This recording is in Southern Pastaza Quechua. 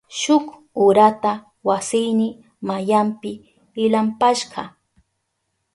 Shuk urata wasiyni mayanpi ilampashka.